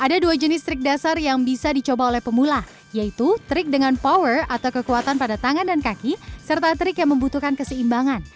ada dua jenis trik dasar yang bisa dicoba oleh pemula yaitu trik dengan power atau kekuatan pada tangan dan kaki serta trik yang membutuhkan keseimbangan